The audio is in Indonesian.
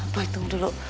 boy tunggu dulu